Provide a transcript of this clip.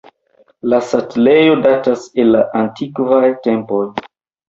La setlejo datas el la antikvaj tempoj.